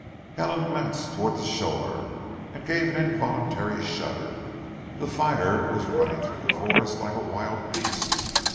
Helen glanced towards the shore, and gave an involuntary shudder. The fire was running through the forest like a wild beast.